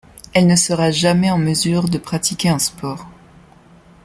Elle ne sera jamais en mesure de pratiquer un sport.